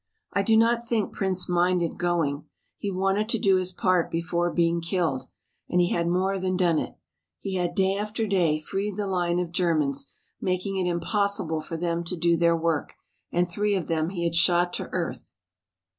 I do not think Prince minded going. He wanted to do his part before being killed, and he had more than done it. He had, day after day, freed the line of Germans, making it impossible for them to do their work, and three of them he had shot to earth.